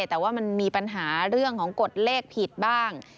แต่ว่ามันมีปัญหาเรื่องของกฎเลขผิดบ้าง